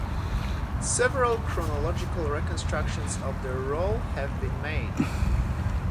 Several chronological reconstructions of their role have been made.